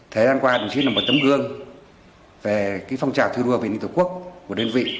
thời gian qua đồng chí là một tấm gương về phong trào thư đua về ninh tổ quốc của đơn vị